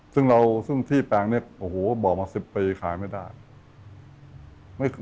ซึ่งที่แปลงบอกมา๑๐ปีขายไม่ได้